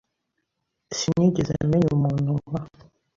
Sinigeze menya umuntu nka .